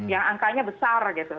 yang angkanya besar gitu